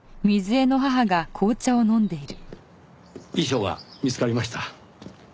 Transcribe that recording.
遺書が見つかりました。